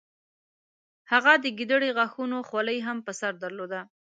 هغه د ګیدړې غاښونو خولۍ هم په سر درلوده.